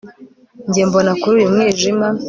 Njye mbona kuri uyu mwijima